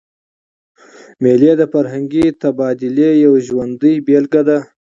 مېلې د فرهنګي تبادلې یوه ژوندۍ بېلګه ده.